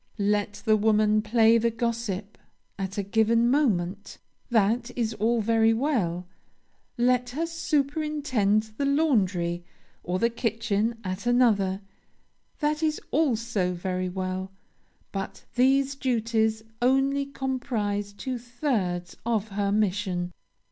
Let the woman play the gossip at a given moment, that is all very well; let her superintend the laundry or the kitchen at another, that is also very well; but these duties only comprise two thirds of her mission.